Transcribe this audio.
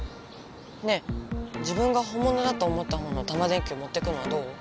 ねえ自分がほんものだと思った方のタマ電Ｑをもってくのはどう？